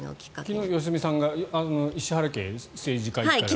昨日、良純さんが石原家は政治家がいるから。